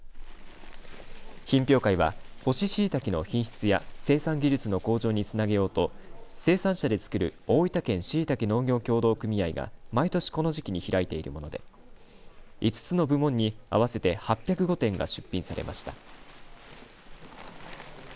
品評会は、乾しいたけの品質や生産技術の向上につなげようと生産者でつくる大分県椎茸農業協同組合が毎年この時期に開いているもので５つの部門に合わせて８０５点が出品されました。